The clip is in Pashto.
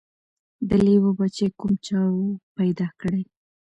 د لېوه بچی کوم چا وو پیدا کړی